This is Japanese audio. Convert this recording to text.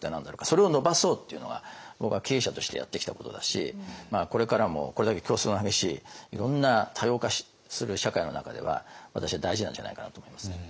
それを伸ばそうっていうのが僕は経営者としてやってきたことだしこれからもこれだけ競争が激しいいろんな多様化する社会の中では私は大事なんじゃないかなと思いますね。